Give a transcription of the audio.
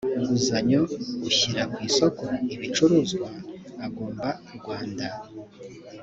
nguzanyo ushyira ku isoko ibicuruzwa agomba rwanda